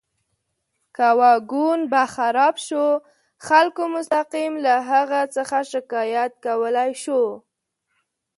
که واګون به خراب شو، خلکو مستقیم له هغه څخه شکایت کولی شو.